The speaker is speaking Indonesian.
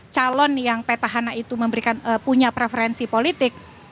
calon yang petahana itu memberikan punya preferensi politik